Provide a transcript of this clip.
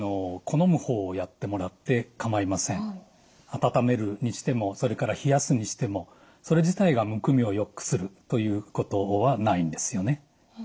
温めるにしてもそれから冷やすにしてもそれ自体がむくみをよくするということはないんですよね。